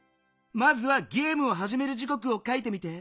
まずはゲームをはじめる時こくを書いてみて。